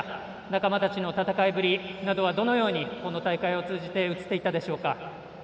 仲間たちの戦いぶりなどはどのように、大会を通じて映っていたでしょうか。